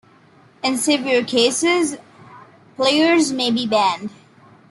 In severe cases players may be banned.